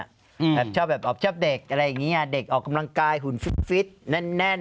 แบบชอบแบบออบชอบเด็กอะไรอย่างเงี้ยเด็กออกกำลังกายหุ่นฟิตฟิตแน่นแน่น